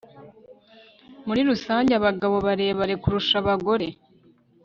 Muri rusange abagabo barebare kurusha abagore